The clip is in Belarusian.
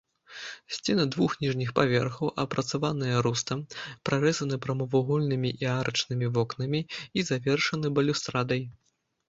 Сцены двух ніжніх паверхаў, апрацаваныя рустам, прарэзаны прамавугольнымі і арачнымі вокнамі і завершаны балюстрадай.